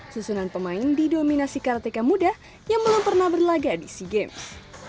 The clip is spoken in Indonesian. susunan pemain didominasi karateka muda yang belum pernah berlaga di sea games